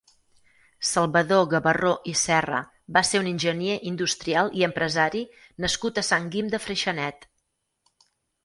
Salvador Gabarró i Serra va ser un enginyer industrial i empresari nascut a Sant Guim de Freixenet.